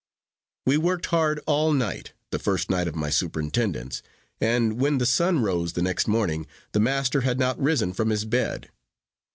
We worked hard all night, the first night of my superintendence, and when the sun rose the next morning, the master had not risen from his bed.